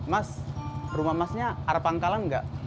mas rumah masnya ada pangkalan enggak